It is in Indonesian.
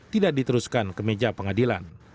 tidak diteruskan ke meja pengadilan